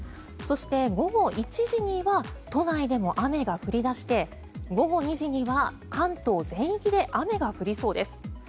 そして、午後１時には都内でも雨が降り出して午後２時には関東全域で雨が降りそうです。